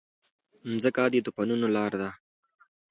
مځکه د طوفانونو لاره ده.